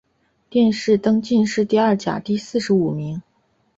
殿试登进士第二甲第四十五名。